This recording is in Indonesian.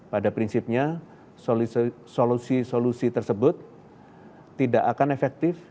pada prinsipnya solusi solusi tersebut tidak akan efektif